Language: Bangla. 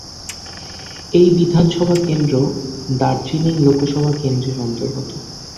এই বিধানসভা কেন্দ্র দার্জিলিং লোকসভা কেন্দ্রের অন্তর্গত।